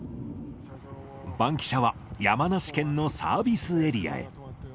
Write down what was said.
バンキシャは山梨県のサービスエリアへ。